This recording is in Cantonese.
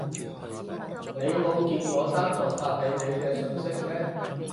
你冇見我單獨發畀你嘅訊息咩？